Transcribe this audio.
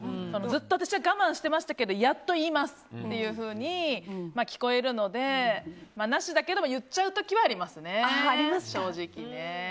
ずっと私は我慢してましたけどやっと言いますっていうふうに聞こえるので、なしだけれど言っちゃう時はありますね、正直。